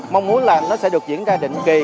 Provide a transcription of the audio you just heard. mong muốn là nó sẽ được diễn ra định kỳ